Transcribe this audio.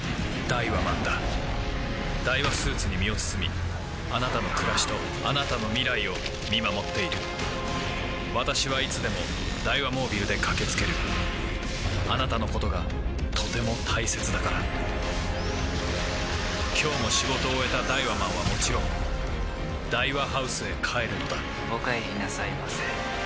ダイワスーツに身を包みあなたの暮らしとあなたの未来を見守っている私はいつでもダイワモービルで駆け付けるあなたのことがとても大切だから今日も仕事を終えたダイワマンはもちろんダイワハウスへ帰るのだお帰りなさいませ。